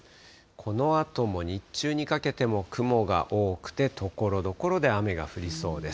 このあとも日中にかけても雲が多くて、ところどころで雨が降りそうです。